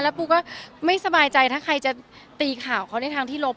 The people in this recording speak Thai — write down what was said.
ปูก็ไม่สบายใจถ้าใครจะตีข่าวเขาในทางที่ลบ